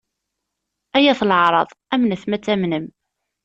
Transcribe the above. Ay at leɛraḍ! Amnet ma ad tamnem.